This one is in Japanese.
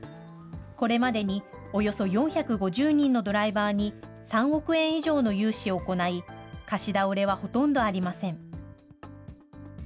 これまでにおよそ４５０人のドライバーに、３億円以上の融資を行い、貸し倒れはほとんどありません。